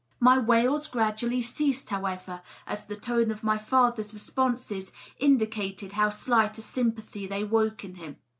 My wails gradually ceased, however, as the tone of my father's responses indicated how slight a sympathy they woke in him.